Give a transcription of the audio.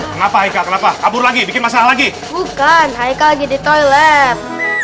kenapa kenapa kabur lagi bikin masalah lagi bukan hai kaget toilet